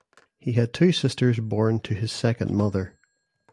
He had two sisters born to his second mother.